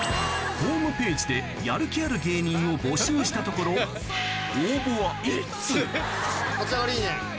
ホームページでやる気ある芸人を募集したところ立ち上がりいいね。